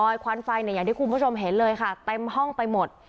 อย่างที่คุณผู้ชมเห็นเต็มห้องไปหมด